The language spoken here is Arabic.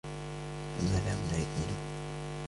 فَمَا لَهُمْ لَا يُؤْمِنُونَ